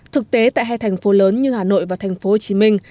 thực tế tại hai thành phố lớn như hà nội và thành phố hồ chí minh